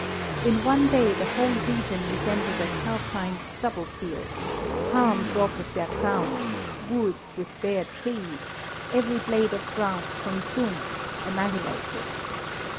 In one day the whole region resembled a calcined stubble field; palms robbed of their crowns, woods with bare trees, every blade of grass consumed, annihilated.